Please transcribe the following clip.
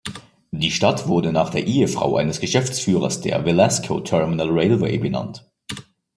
Die Stadt wurde nach der Ehefrau eines Geschäftsführers der "Velasco Terminal Railway" benannt.